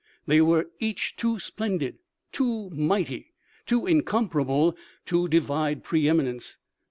They were each too splendid, too mighty, too incomparable to divide pre eminence.